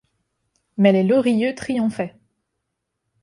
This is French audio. Mais les Lorilleux triomphaient.